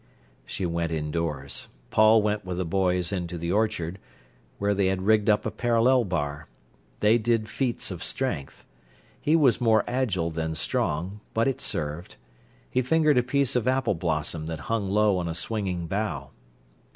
She went indoors. Paul went with the boys into the orchard, where they had rigged up a parallel bar. They did feats of strength. He was more agile than strong, but it served. He fingered a piece of apple blossom that hung low on a swinging bough.